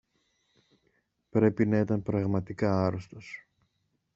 Πρέπει να ήταν πραγματικά άρρωστος